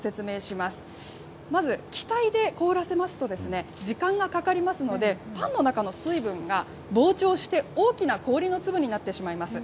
まず、気体で凍らせますと、時間がかかりますので、パンの中の水分が膨張して、大きな氷の粒になってしまいます。